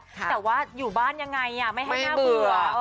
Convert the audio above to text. แต่ว่าอยู่บ้านยังไงไม่ให้น่าเบื่อ